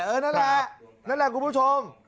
นั่นแหละนั่นแหละคุณผู้ชม